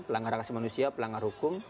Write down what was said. pelanggar ragasi manusia pelanggar hukum